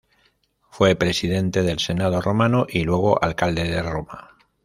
Fue Presidente del Senado Romano y luego Alcalde de Roma.